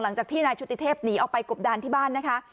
หลังจากที่นายชุติเทพหนีออกไปกบดานที่บ้านนะคะ